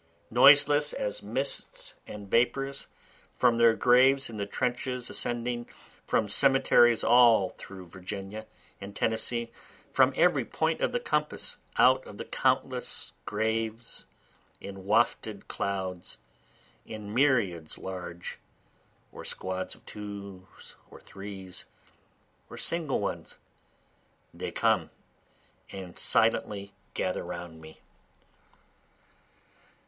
Noiseless as mists and vapors, From their graves in the trenches ascending, From cemeteries all through Virginia and Tennessee, From every point of the compass out of the countless graves, In wafted clouds, in myriads large, or squads of twos or threes or single ones they come, And silently gather round me.